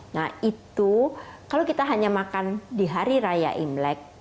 nah itu kalau kita hanya makan di hari raya imlek